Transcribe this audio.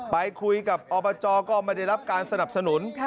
ไปคุยกับอบจก็ไม่ได้รับการสนับสนุน